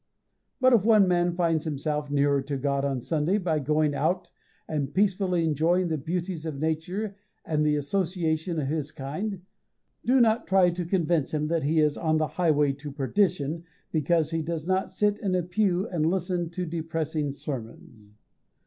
If one man finds himself nearer to God on Sunday by going out and peacefully enjoying the beauties of nature and the association of his kind, do not try to convince him that he is on the highway to perdition because he does not sit in a pew and listen to depressing sermons.